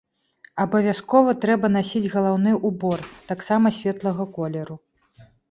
Абавязкова трэба насіць галаўны ўбор, таксама светлага колеру.